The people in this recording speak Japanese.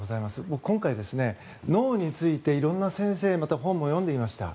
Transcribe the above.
僕、今回、脳について色んな先生やまた本も読んでみました。